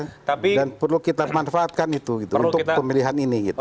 ceruknya besar dan perlu kita manfaatkan itu gitu untuk pemilihan ini gitu